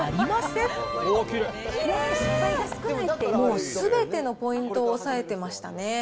もうすべてのポイントを抑えてましたね。